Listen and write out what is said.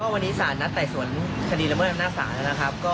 วันนี้ศาลนัดแต่สวนคดีละเมิดอำนาจศาล